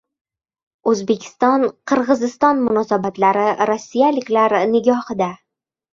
O‘zbekiston — Qirg‘iziston munosabatlari rossiyaliklar nigohida